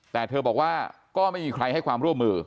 แต่เธอบอกว่าก็ไม่มีใครให้ความร่วมมือ